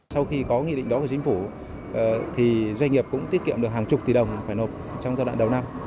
sau khi có nghị định đó của chính phủ doanh nghiệp cũng tiết kiệm được hàng chục tỷ đồng phải nộp trong giai đoạn đầu năm